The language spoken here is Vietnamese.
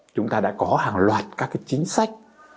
chúng ta đã có hàng loạt các cái chính sách